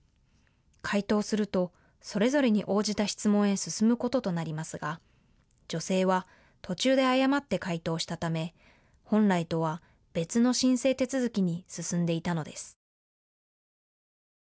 回答するとそれぞれに応じた質問へ進むこととなりますが女性は途中で誤って回答したため本来とは別の申請手続きに進んでいたのです。